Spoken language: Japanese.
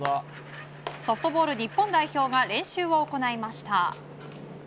ソフトボール日本代表が練習を行いました。